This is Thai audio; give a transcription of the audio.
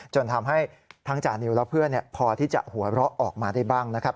จนทำให้ทั้งจานิวและเพื่อนพอที่จะหัวเราะออกมาได้บ้างนะครับ